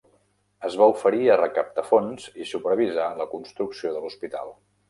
Es va oferir a recaptar fons i supervisar la construcció de l'hospital.